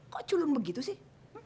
kok culun begitu sih